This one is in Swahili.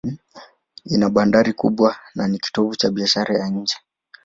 Ina bandari kubwa na ni kitovu cha biashara ya nje.